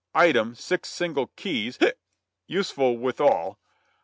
Item, six single keys, useful withal.